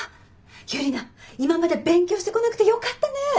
ユリナ今まで勉強してこなくてよかったね。